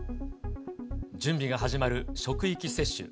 準備が始まる職域接種。